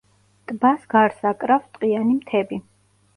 ტბას გარს აკრავს ტყიანი მთები.